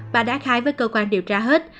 bà đã khai với cơ quan điều tra hết